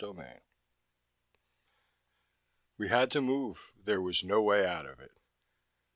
X We had to move. There was no way out of it.